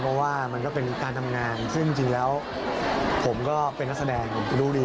เพราะว่ามันก็เป็นการทำงานซึ่งจริงแล้วผมก็เป็นนักแสดงรู้ดี